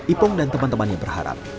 ipong dan teman teman yang berharap